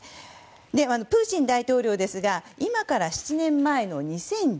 プーチン大統領ですが今から７年前の２０１５年